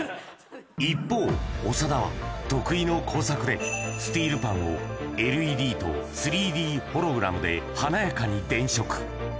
一方、長田は得意の工作で、スティールパンを、ＬＥＤと３Ｄホログラムで華やかに電飾。